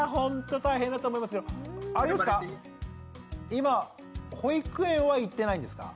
今保育園は行ってないんですか？